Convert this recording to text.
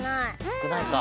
すくないか。